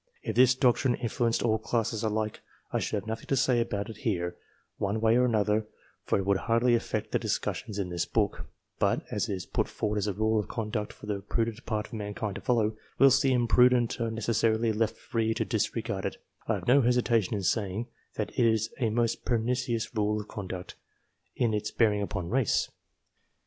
If this doctrine influenced all classes alike I should have nothing to say about it here, one way or another, for it would hardly affect the discussions in this book ; but, as it is put forward as a rule of conduct for the prudent part of mankind to follow, whilst the imprudent are necessarily left free to disregard it, I have no hesitation in saying that it is a most pernicious rule of conduct in its bearing upon race.